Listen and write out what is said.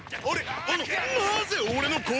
あの。